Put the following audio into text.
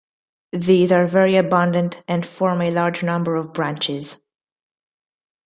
These are very abundant and form a large number of branches.